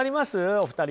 お二人は。